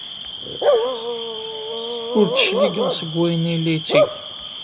Ur d-cligeɣ seg wayen ay la yetteg.